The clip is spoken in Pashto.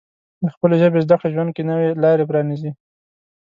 د خپلې ژبې زده کړه ژوند کې نوې لارې پرانیزي.